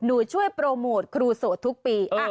ช่วยโปรโมทครูโสดทุกปี